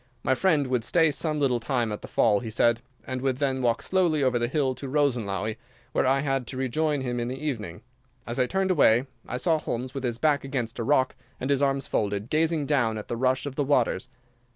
My friend would stay some little time at the fall, he said, and would then walk slowly over the hill to Rosenlaui, where I was to rejoin him in the evening. As I turned away I saw Holmes, with his back against a rock and his arms folded, gazing down at the rush of the waters.